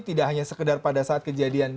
tidak hanya sekedar pada saat kejadian